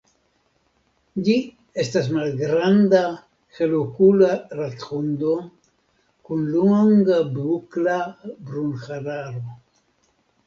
Ĝi estas malgranda, helokula rathundo kun longa bukla brunhararo.